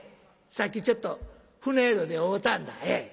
さっきちょっと船宿で会うたんだええ。